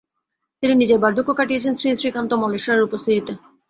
তিনি নিজের বার্ধক্য কাটিয়েছিলেন শ্রীশ্রীকান্ত মল্লেশ্বরের উপস্থিতিতে।